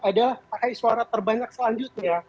adalah pakai suara terbanyak selanjutnya